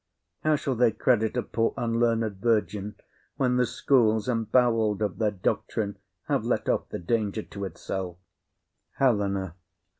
How shall they credit A poor unlearned virgin, when the schools, Embowell'd of their doctrine, have let off The danger to itself? HELENA.